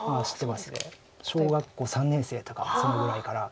小学校３年生とかそのぐらいから。